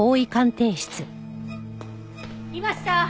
いました！